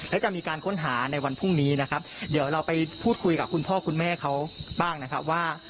และจะมีการค้นหาในวันพรุ่งนี้นะครับเดี๋ยวเราไปพูดคุยกับคุณพ่อคุณแม่เขาบ้างนะครับว่า